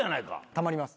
たまります。